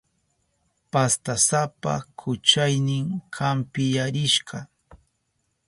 Pastasapa kuchaynin kampiyarishka.